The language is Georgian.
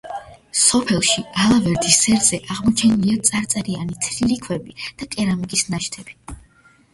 სოფელში, ალავერდის სერზე აღმოჩენილია წარწერიანი თლილი ქვები და კერამიკის ნაშთები.